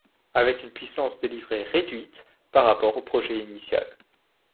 Avec une puissance délivrée réduite, par rapport au projet initial.